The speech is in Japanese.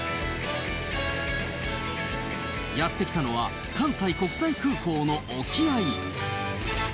やって来たのは関西国際空港の沖合。